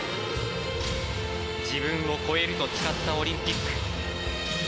自分を超えると誓ったオリンピック。